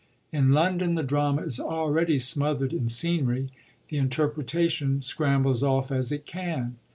In London the drama is already smothered in scenery; the interpretation scrambles off as it can.